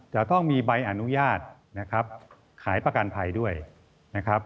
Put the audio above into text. จะต้องมีใบอนุญาตนะครับขายประกันภัยด้วยนะครับ